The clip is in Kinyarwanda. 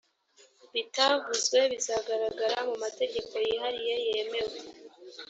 bitavuzwe bizagaragara mu mategeko yihariye yemewe